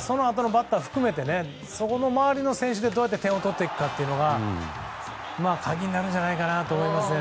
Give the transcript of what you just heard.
そのあとのバッターを含めてその周りの選手でどうやって点を取っていくかが鍵になるんじゃないかなと思いますね。